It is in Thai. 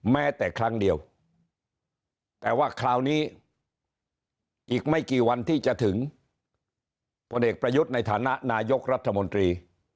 แม้แต่ครั้งเดียวแต่ว่าคราวนี้อีกไม่กี่วันที่จะถึงพลเอกประยุทธ์ในฐานะนายกรัฐมนตรี